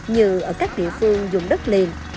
như ở các địa phương dùng đất liền